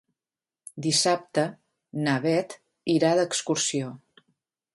Dissabte na Bet irà d'excursió.